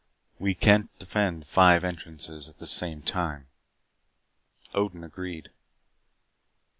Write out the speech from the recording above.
"We can't defend five entrances at the same time." Odin agreed.